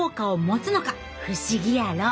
不思議やろ？